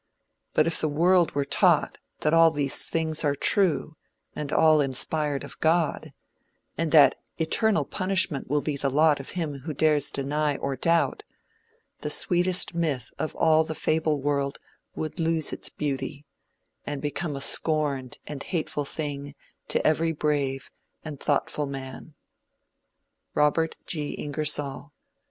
But if the world were taught that all these things are true and all inspired of God, and that eternal punishment will be the lot of him who dares deny or doubt, the sweetest myth of all the Fable World would lose its beauty, and become a scorned and hateful thing to every brave and thoughtful man. Robert G. Ingersoll.